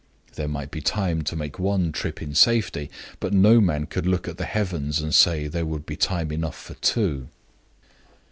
There might be time to make one trip in safety, but no man could look at the heavens and say there would be time enough for two.